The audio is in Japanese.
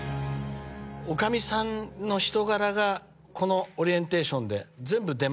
女将さんの人柄がこのオリエンテーションで全部出ましたよね。